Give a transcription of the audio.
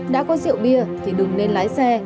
đã có rượu bia thì đừng nên lái xe